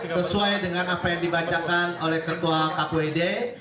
sesuai dengan apa yang dibacakan oleh ketua kwd